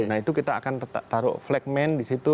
nah itu kita akan taruh flagman di situ